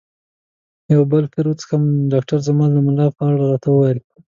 یو بل بیر وڅښم؟ ډاکټر زما د ملا په اړه راته وویل.